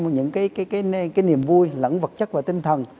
những cái niềm vui lẫn vật chất và tinh thần